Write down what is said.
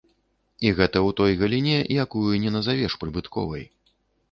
І гэта ў той галіне, якую не назавеш прыбытковай.